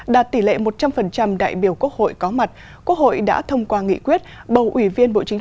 đạt tỷ lệ một trăm linh đại biểu quốc hội có mặt quốc hội đã thông qua nghị quyết bầu ủy viên bộ chính